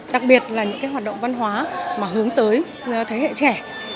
đặc biệt là những hoạt động văn hóa mà hướng tới thế hệ trẻ